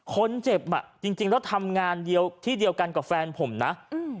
คนเจ็บอ่ะจริงจริงแล้วทำงานเดียวที่เดียวกันกับแฟนผมนะอืม